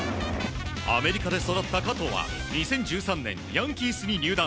アメリカで育った加藤は２０１３年ヤンキースに入団。